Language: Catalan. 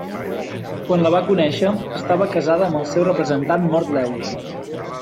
Quan la va conèixer, estava casada amb el seu representant Mort Lewis.